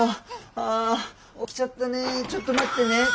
あ起きちゃったねちょっと待ってね。